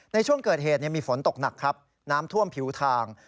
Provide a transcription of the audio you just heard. ในช่วงเกิดเหตุมีฝนตกหนักครับน้ำท่วมผิวทาง